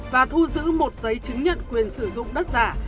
và thu giữ một giấy chứng nhận quyền sử dụng đất giả